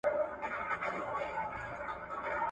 هغه سزا چي مجرم ته ورکوي، د نورو عبرت دی.